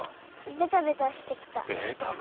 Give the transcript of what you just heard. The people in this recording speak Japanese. ベタベタしてきた。